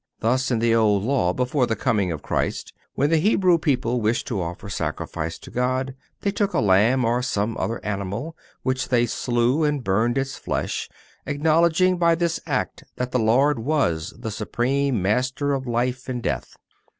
Thus, in the Old Law, before the coming of Christ, when the Hebrew people wished to offer sacrifice to God they took a lamb or some other animal, which they slew and burned its flesh, acknowledging by this act that the Lord was the supreme Master of life and death.